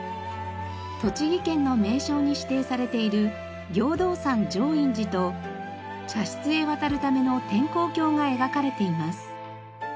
栃木県の名勝に指定されている行道山浄因寺と茶室へ渡るための天高橋が描かれています。